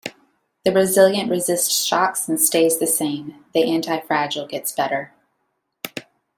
The resilient resists shocks and stays the same; the antifragile gets better.